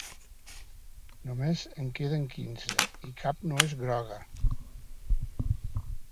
Només en queden quinze, i cap no és groga.